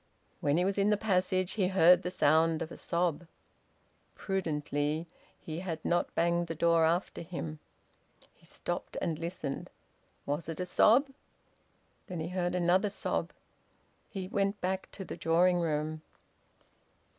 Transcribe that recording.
When he was in the passage he heard the sound of a sob. Prudently, he had not banged the door after him. He stopped, and listened. Was it a sob? Then he heard another sob. He went back to the drawing room.